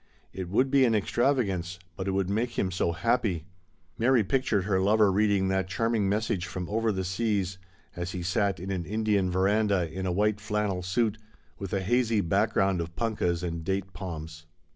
It would be an extravagance, but it would make him so happy. Mary pictured her lover reading that charming message from over the seas, as he sat in an Indian veranda in a white flannel suit, with a hazy back ground of punkahs and date palms.